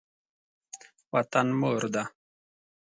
وطن مور ده.